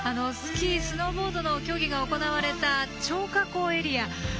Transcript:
スキー・スノーボードの競技が行われた張家口エリア。